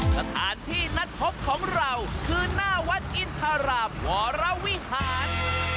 สถานที่นัดพบของเราคือหน้าวัดอินทรารามวรวิหาร